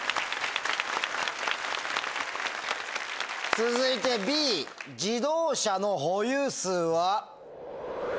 続いてＢ「自動車の保有数」は？